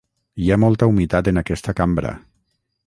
Hi ha molta humitat en aquesta cambra.